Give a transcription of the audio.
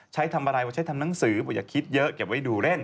ทำอะไรว่าใช้ทำหนังสือบอกอย่าคิดเยอะเก็บไว้ดูเล่น